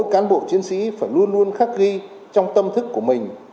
cán bộ chiến sĩ phải luôn luôn khắc ghi trong tâm thức của mình